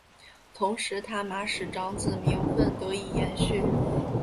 同时他玛使长子名份得以延续。